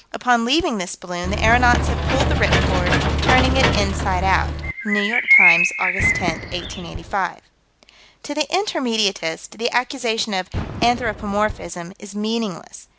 Upon leaving this balloon, the aeronauts had pulled the "rip cord," "turning it inside out." (New York Times, Aug. 10, 1885.) To the Intermediatist, the accusation of "anthropomorphism" is meaningless.